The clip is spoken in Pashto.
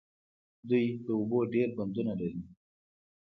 دوی د اوبو ډیر بندونه لري.